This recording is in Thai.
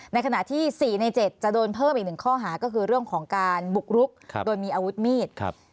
ในขณะที่๔ใน๗จะโดนเพิ่มอีก๑ข้อหาก็คือเรื่องของการบุกรุกโดยมีอาวุธมีด